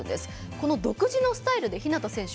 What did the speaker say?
この独自のスタイルで日向選手